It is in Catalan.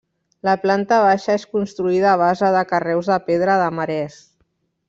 La planta baixa és construïda a base de carreus de pedra de marès.